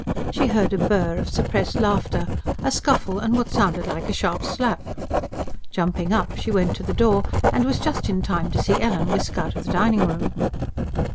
She heard a burr of suppressed laughter, a scuffle and what sounded like a sharp slap. Jumping up she went to the door, and was just in time to see Ellen whisk out of the dining room.